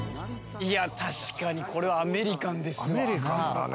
確かにこれはアメリカンですわ。